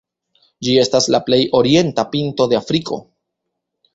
Ĝi estas la plej orienta pinto de Afriko.